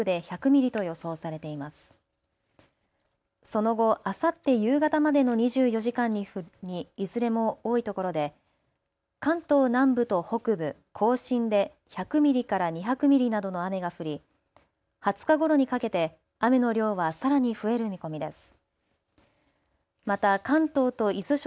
その後、あさって夕方までの２４時間にはいずれも多いところで関東南部と北部、甲信で１００ミリから２００ミリなどの雨が降り２０日ごろにかけて雨の量はさらに増える見込みです。